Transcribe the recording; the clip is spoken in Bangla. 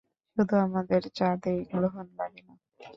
শুধু আমাদের চাঁদেই গ্রহণ লাগে না।